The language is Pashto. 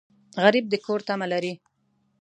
غریب د کور تمه لري